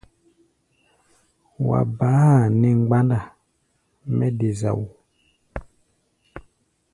Wa baá a nɛ mgbánda mɛ́ de zao.